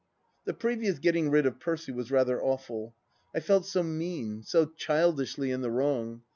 The previous getting rid of Percy was rather awful. I felt so mean, so childishly in the wrong.